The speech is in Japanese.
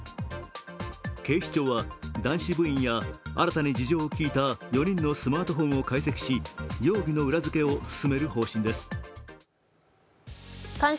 警視庁は男子部員や新たに事情を聴いた４人のスマートフォンを解析し容疑の裏付けを進める方針です。